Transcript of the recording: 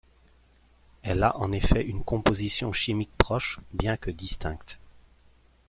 Elle a en effet une composition chimique proche, bien que distincte.